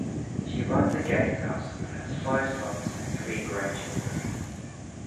She runs a guesthouse and has five sons and three grandchildren.